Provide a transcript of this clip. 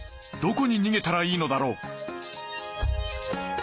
どこに逃げたらいいのだろう？